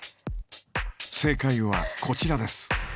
正解はこちらです。